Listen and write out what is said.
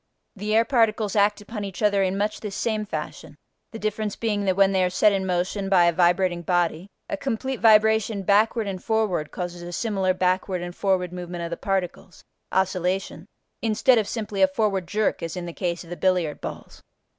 The air particles act upon each other in much this same fashion, the difference being that when they are set in motion by a vibrating body a complete vibration backward and forward causes a similar backward and forward movement of the particles (oscillation) instead of simply a forward jerk as in the case of the billiard balls.